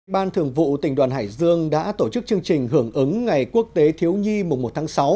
ban thường vụ tỉnh đoàn hải dương đã tổ chức chương trình hưởng ứng ngày quốc tế thiếu nhi mùng một tháng sáu